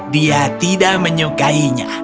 dia tidak menyukainya